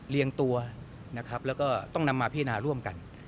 เลี่ยงตัวและก็ต้องนำมาพินาศร่วมกัน